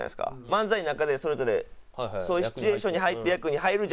漫才の中でそれぞれそういうシチュエーションに入って役に入るんじゃなくて。